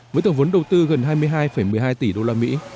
với tổng vốn đầu tư gần hai mươi hai một mươi hai tỷ usd